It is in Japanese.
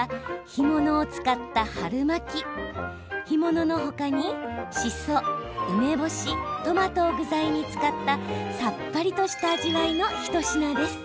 干物の他に、しそ、梅干しトマトを具材に使ったさっぱりとした味わいの一品です。